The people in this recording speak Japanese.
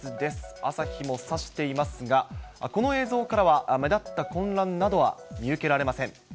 朝日もさしていますが、この映像からは目立った混乱などは見受けられません。